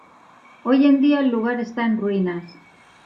Hoy en día el lugar está en ruinas.